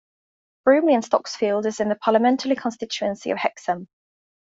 Broomley and Stocksfield is in the parliamentary constituency of Hexham.